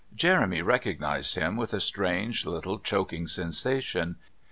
Jeremy recognised him with a strange, little choking sensation.